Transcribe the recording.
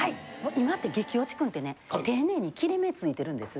今って激落ちくんってね丁寧に切れ目ついてるんです。